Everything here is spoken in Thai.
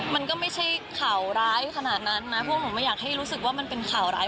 มันก็ไม่ใช่ข่าวร้ายขนาดนั้นนะเพราะผมไม่อยากให้รู้สึกว่ามันเป็นข่าวร้าย